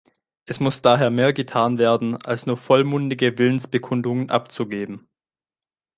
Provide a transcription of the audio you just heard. Es muss daher mehr getan werden als nur vollmundige Willensbekundungen abzugeben!